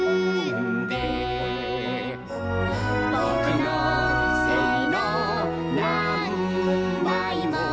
「ぼくのせいのなんばいも」